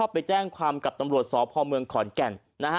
ไปแจ้งความกับตำรวจสพเมืองขอนแก่น